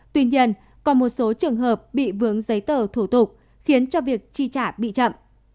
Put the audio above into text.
tuy nhiên còn một số trường hợp bị vướng giấy tờ thủ tục khiến cho việc chi trả bị chậm